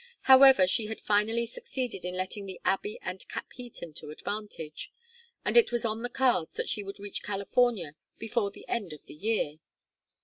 However, she had finally succeeded in letting the Abbey and Capheaton to advantage, and it was on the cards that she would reach California before the end of the year.